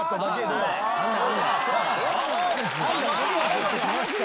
持ってきました。